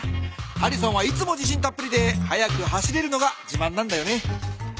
ハリソンはいつもじしんたっぷりで速く走れるのがじまんなんだよね。